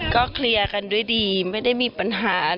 ก็เคลียร์กันด้วยดีไม่ได้มีปัญหา